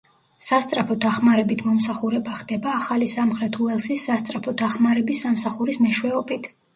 სასწრაფო დახმარებით მომსახურება ხდება ახალი სამხრეთ უელსის სასწრაფო დახმარების სამსახურის მეშვეობით.